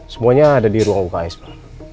semuanya ada di ruang uks pak